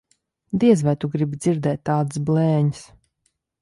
Diez vai tu gribi dzirdēt tādas blēņas.